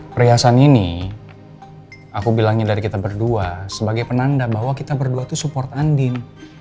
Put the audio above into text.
perhiasan ini aku bilangnya dari kita berdua sebagai penanda bahwa kita berdua itu support andin